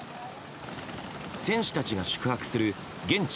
選手たちが宿泊する現地